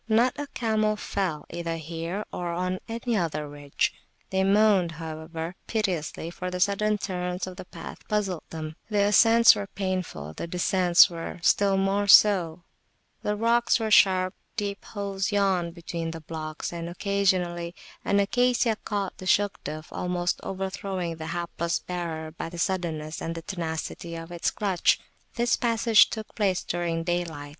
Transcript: Not a camel fell, either here or on any other ridge: they moaned, however, piteously, for the sudden turns of the path puzzled them; the ascents were painful, the descents were still more so; the rocks were sharp; deep holes yawned between the blocks, and occasionally an Acacia caught the Shugduf, almost overthrowing the hapless bearer by the suddenness and the tenacity of its clutch. This passage took place during daylight.